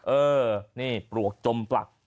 เออนี่ปลวกจมปลัก